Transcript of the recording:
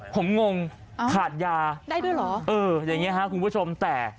ผมงงขาดยาได้ด้วยเหรอเอออย่างเงี้ฮะคุณผู้ชมแต่